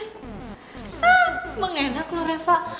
hah emang enak loh reva